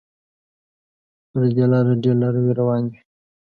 پر دې لاره ډېر لاروي روان وي.